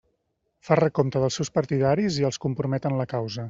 Fa recompte dels seus partidaris i els compromet en la causa.